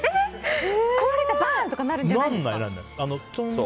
壊れてバーンとかなるんじゃないんですか？